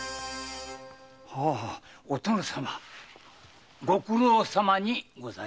お殿様ご苦労さまにござります。